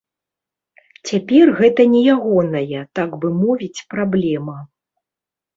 Цяпер гэта не ягоная, так бы мовіць, праблема.